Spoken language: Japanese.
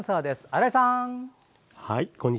新井さん。